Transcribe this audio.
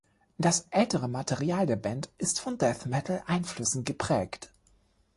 Das ältere Material der Band ist von Death-Metal-Einflüssen geprägt.